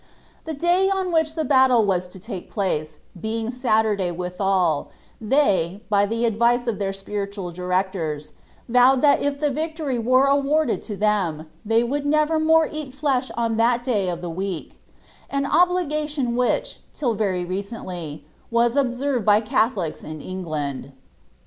The day on which the battle was to lake placa being Saturday withal, they, by the advice of their spiritual directors, Tow^ed that if the victory were awarded to them, they \rould never inaro eat flesh on that day of the week : an obligation which, till very recently, was observed by the Catholics in England.